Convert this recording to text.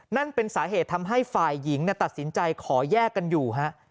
นั่นเป็นสาเหตุทำให้ฝ่ายหญิงตัดสินใจขอแยกกันอยู่ฮะ